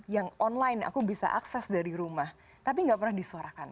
yang online aku bisa akses dari rumah tapi nggak pernah disuarakan